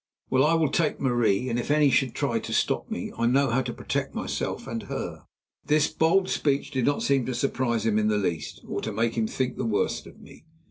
Well, I will take Marie, and if any should try to stop me, I know how to protect myself and her." This bold speech did not seem to surprise him in the least or to make him think the worse of me.